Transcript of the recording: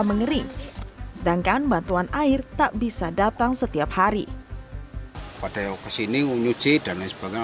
mengering sedangkan bantuan air tak bisa datang setiap hari pada kesini nyuci dan lain sebagainya